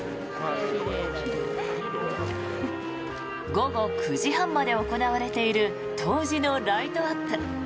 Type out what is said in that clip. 午後９時半まで行われている東寺のライトアップ。